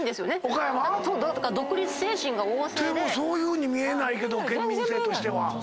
岡山⁉でもそういうふうに見えないけど県民性としては。